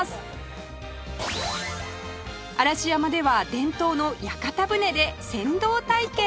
嵐山では伝統の屋形船で船頭体験